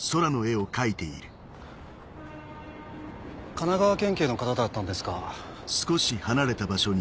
神奈川県警の方だったんですか。